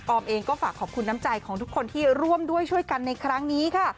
เองก็ฝากขอบคุณน้ำใจของทุกคนที่ร่วมด้วยช่วยกันในครั้งนี้ค่ะ